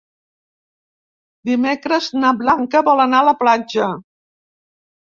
Dimecres na Blanca vol anar a la platja.